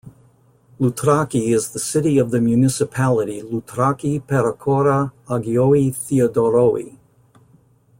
Loutraki is the seat of the municipality Loutraki-Perachora-Agioi Theodoroi.